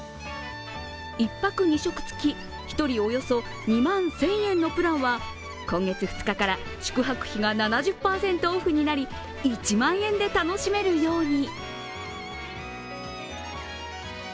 １泊２食付き、１人およそ２万１０００円のプランは今月２日から宿泊費が７０％オフになり１万円で楽しめるように。